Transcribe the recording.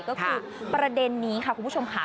ก็คือประเด็นนี้ค่ะคุณผู้ชมค่ะ